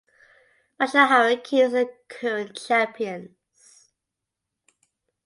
Bashundhara Kings are current champions.